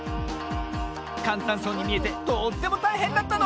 かんたんそうにみえてとってもたいへんだったの！